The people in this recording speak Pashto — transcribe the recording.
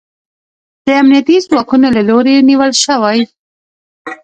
د امنیتي ځواکونو له لوري نیول شوی